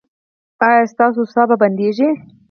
ایا ستاسو ساه به بندیږي؟